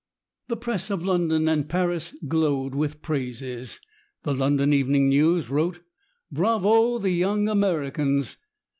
The press of London and Paris glowed with praises. The London Evening News wrote: "Bravo, the young Americans!